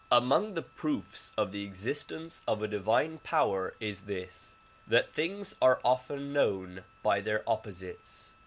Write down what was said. Among the proofs of the existence of a divine power is this; that things are often known by their opposites.